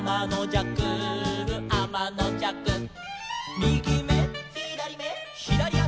「みぎめ」「ひだりめ」「ひだりあし」